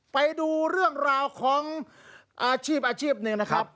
ไปดูเรื่องราวของอาชีพอาชีพหนึ่งนะครับ